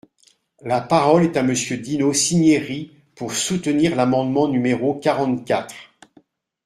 La parole est à Monsieur Dino Cinieri, pour soutenir l’amendement numéro quarante-quatre.